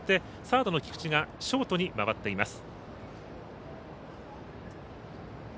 サードの菊地がショートに回っています。